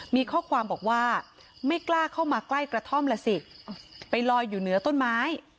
มีข้อความบอกว่าไม่กล้าเข้ามาใกล้กระท่อมล่ะสิไปลอยอยู่เหนือต้นไม้